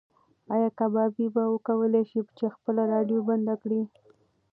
ایا کبابي به وکولی شي چې خپله راډیو بنده کړي؟